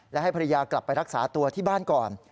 และให้ภรรยากลับไปรักษาตัวที่บ้านก่อน